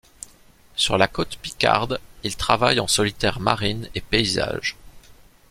Sur la côte Picarde, il travaille en solitaire marines et paysages.